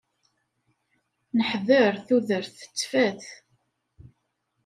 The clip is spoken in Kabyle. Neḥder tudert tettfat.